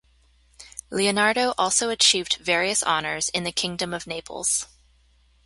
Leonardo also achieved various honors in the Kingdom of Naples.